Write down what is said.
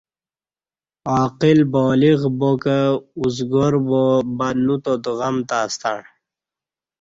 عاقل بالغ باکہ ازگار با نوتات غم تاسݩع